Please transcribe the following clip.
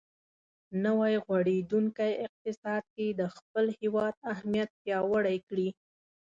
نوی غوړېدونکی اقتصاد کې د خپل هېواد اهمیت پیاوړی کړي.